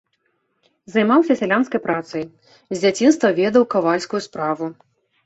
Займаўся сялянскай працай, з дзяцінства ведаў кавальскую справу.